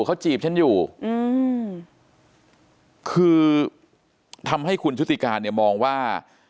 เขาจีบฉันอยู่อืมคือทำให้คุณชุติการเนี่ยมองว่า